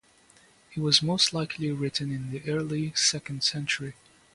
It was most likely written in the early second century.